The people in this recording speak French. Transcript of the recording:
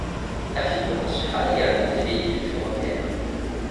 La firme construira également des véhicules ferroviaires.